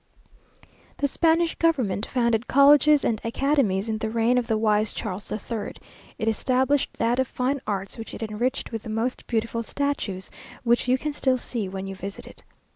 "The Spanish government founded colleges and academies in the reign of the wise Charles the Third; it established that of fine arts, which it enriched with the most beautiful statues, which you can still see when you visit it.